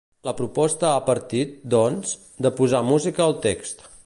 La proposta ha partit, doncs, de posar música al text.